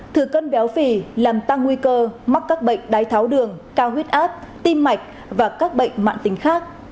thừa cân béo phì làm tăng nguy cơ mắc các bệnh đái tháo đường cao huyết áp tim mạch và các bệnh mạng tính khác